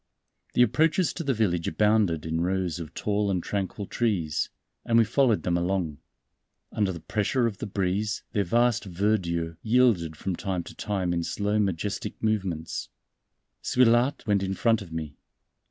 The approaches to the village abounded in rows of tall and tranquil trees, and we followed them along. Under the pressure of the breeze their vast verdure yielded from time to time in slow majestic movements. Suilhard went in front of me.